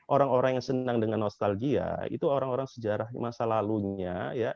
orang orang yang senang dengan nostalgia itu orang orang sejarah masa lalunya